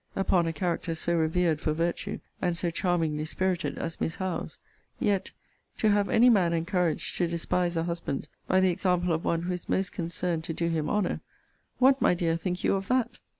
] upon a character so revered for virtue, and so charmingly spirited, as Miss Howe's: yet, to have any man encouraged to despise a husband by the example of one who is most concerned to do him honour; what, my dear, think you of that?